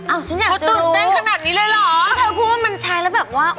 ฉันอยากตื่นเต้นขนาดนี้เลยเหรอเธอพูดว่ามันใช้แล้วแบบว่า